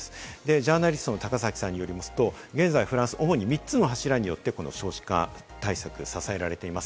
ジャーナリスト・高崎さんによりますと現在フランス、主に３つの柱によってこの少子化対策が支えられています。